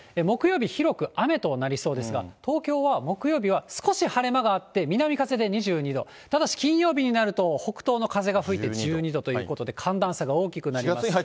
木曜日、広く雨となりそうですが、東京は木曜日は少し晴れ間があって、南風で２２度、ただし金曜日になると、北東の風が吹いて１２度ということで、寒暖差が大きくなります。